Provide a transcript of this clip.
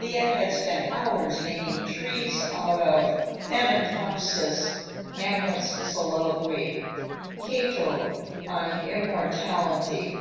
Thea had spent hours making trees out of "Thanatopsis," Hamlet's soliloquy, Cato on "Immortality."